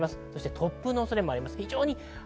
突風の恐れもあります。